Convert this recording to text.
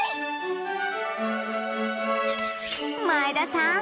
前田さん